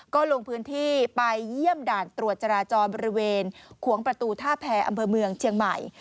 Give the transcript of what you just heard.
ก็ลงพื้นที่ไปเยี่ยมด่านตรวจจราจรบริเวณขวงประตูท่าแพรอำเภอเมืองเชียงใหม่